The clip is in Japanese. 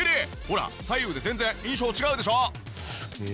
ほら左右で全然印象が違うでしょ！